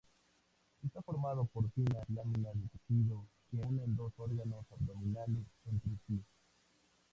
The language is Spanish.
Está formado por finas láminas de tejido que unen dos órganos abdominales entre sí.